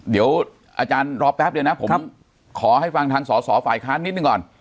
เดี๋ยวอาจารย์รอแป๊บเดียวนะผมขอให้ฟังทางสอสอฝ่ายค้านนิดหนึ่งก่อน